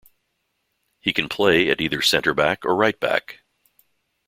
He can play at either centre back or right back.